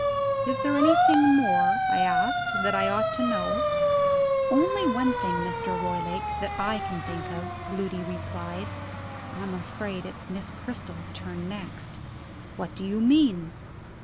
"Is there anything more," I asked, "that I ought to know?" "Only one thing, Mr. Roylake, that I can think of," Gloody replied. "I'm afraid it's Miss Cristel's turn next." "What do you mean?"